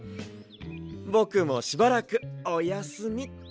ぼくもしばらくおやすみっと。